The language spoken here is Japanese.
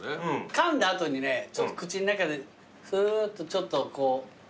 かんだ後にねちょっと口ん中ですーっとちょっとこう。